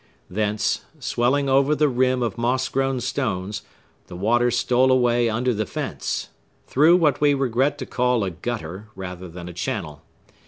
Thence, swelling over the rim of moss grown stones, the water stole away under the fence, through what we regret to call a gutter, rather than a channel.